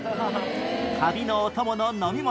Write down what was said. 旅のお供の飲み物